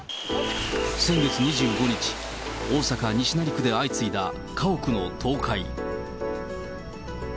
先月２５日、大阪・西成区で相次いだ家屋の倒壊。